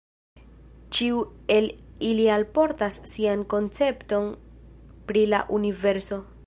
Ĉiu el ili alportas sian koncepton pri la universo.